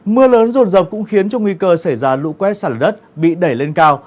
mưa lớn rồn rập cũng khiến cho nguy cơ xảy ra lũ quét sản đất bị đẩy lên cao